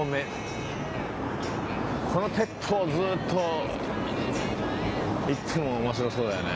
この鉄塔をずっと行っても面白そうだよね。